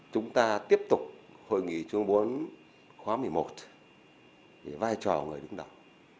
chúng ta tiếp tục hội nghị chương bốn khóa một mươi một vai trò người đứng đầu